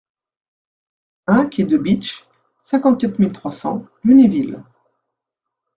un quai de Bitche, cinquante-quatre mille trois cents Lunéville